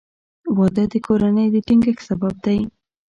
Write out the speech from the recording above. • واده د کورنۍ د ټینګښت سبب دی.